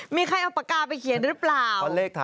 มีใครเอาปากกาไปเขียนหรือเปล่า